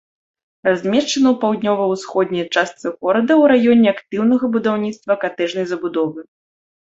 Размешчана ў паўднёва-ўсходняй частцы горада ў раёне актыўнага будаўніцтва катэджнай забудовы.